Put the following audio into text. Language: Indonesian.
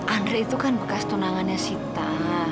andre itu kan bekas tunangannya sita